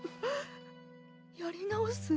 やり直す？